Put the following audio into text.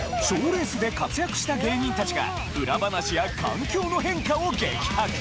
賞レースで活躍した芸人たちが、裏話や環境の変化を激白。